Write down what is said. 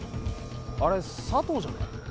あれ佐藤じゃね？